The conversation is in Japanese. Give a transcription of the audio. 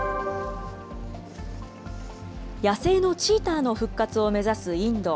野生のチーターの復活を目指すインド。